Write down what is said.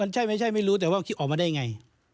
ใช่ไม่ใช่ไม่รู้แต่ว่าคิดออกมาได้ไง